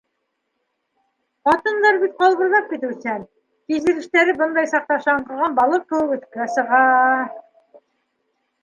Ҡатындар бит ҡалбырҙап китеүсән, кисерештәре бындай саҡта шаңҡыған балыҡ кеүек өҫкә сыға...